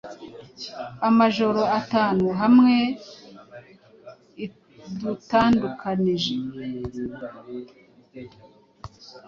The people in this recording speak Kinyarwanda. Amajoro atanu hamwe idutandukanije